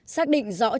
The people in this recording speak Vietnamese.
xác định rõ trách nhiệm